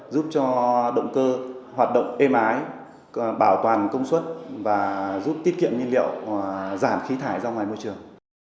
giúp cho động cơ hoạt động êm ái bảo toàn công suất và giúp tiết kiệm nhiên liệu giảm khí thải ra ngoài môi trường